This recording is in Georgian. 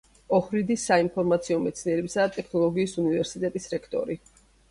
ოჰრიდის საინფორმაციო მეცნიერებისა და ტექნოლოგიის უნივერსიტეტის რექტორი.